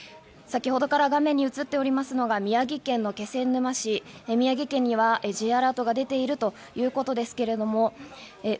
先ほどから画面に映っておりますのが宮城県の気仙沼市、宮城県にはＪアラートが出ているということですけれども。